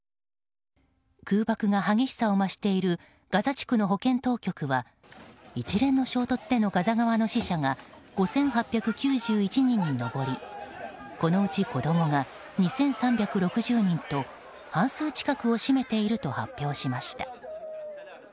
空爆が激しさを増しているガザ地区の保健当局は一連の衝突でのガザ側の死者が５８９１人に上りこのうち子供が２３６０人と半数近くを占めていると発表しました。